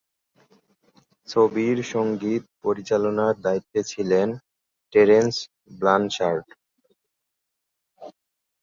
ছবিটির সঙ্গীত পরিচালনার দায়িত্বে ছিলেন টেরেন্স ব্লানশার্ড।